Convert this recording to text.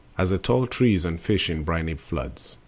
As the tall trees and fish in briny floods.